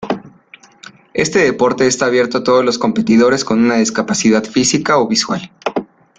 Este deporte está abierto a todos los competidores con una discapacidad física o visual.